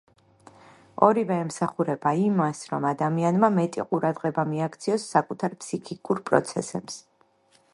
ორივე ემსახურება იმას, რომ ადამიანმა მეტი ყურადღება მიაქციოს საკუთარ ფსიქიკურ პროცესებს.